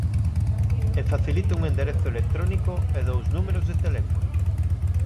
E facilita un enderezo electrónico e dous números de teléfono.